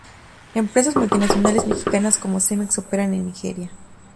Empresas multinacionales mexicanas como Cemex operan en Nigeria.